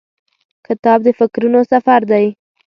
کتاب د فکرونو سفر دی.